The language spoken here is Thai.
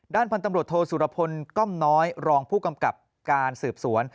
พันธุ์ตำรวจโทสุรพลก้อมน้อยรองผู้กำกับการสืบสวน